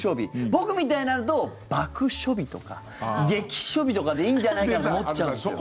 僕みたいになると爆暑日とか劇暑日とかでいいんじゃないかなって思っちゃうんですけど。